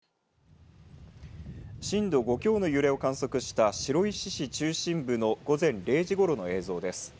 震度５強の揺れを観測した白石市中心部の午前０時ごろの映像です。